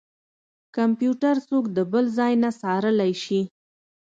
کمپيوټر څوک د بل ځای نه څارلی شي.